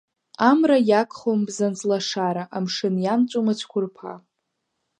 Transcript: Амра иагхом бзанҵ лашара, амшын иамҵәом ацәқәырԥа.